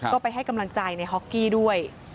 ก็ไปให้กำลังใจในฮอกกี้ด้วย